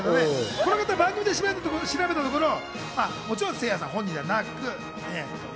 この方、番組で調べたところ、もちろん、せいやさんではなく。